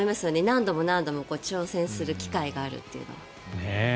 何度も何度も挑戦する機会があるというのは。